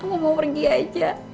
aku mau pergi aja